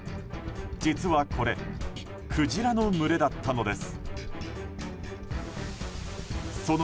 実はこれクジラの群れだったのです。